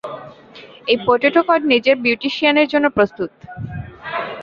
এই potato cod নিজের বিউটিশিয়ানের জন্য প্রস্তুত।